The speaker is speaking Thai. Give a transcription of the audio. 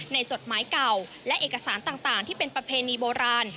จดหมายเก่าและเอกสารต่างที่เป็นประเพณีโบราณ